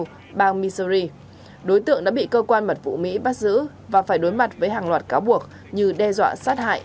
tại bang michury đối tượng đã bị cơ quan mật vụ mỹ bắt giữ và phải đối mặt với hàng loạt cáo buộc như đe dọa sát hại